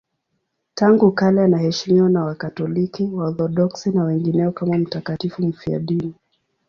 Tangu kale anaheshimiwa na Wakatoliki, Waorthodoksi na wengineo kama mtakatifu mfiadini.